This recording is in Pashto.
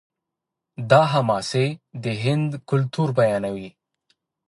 دا حماسې د هند کلتور بیانوي.